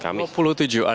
ya ada percepatan satu hal